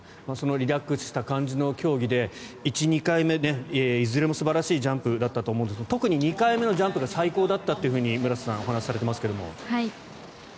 リラックスした感じの競技で１、２回目、いずれも素晴らしいジャンプだったと思うんですが特に２回目のジャンプが最高だったと村瀬さんお話しされてますけども。